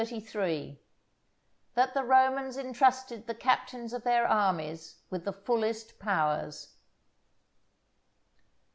—_That the Romans intrusted the Captains of their Armies with the fullest Powers.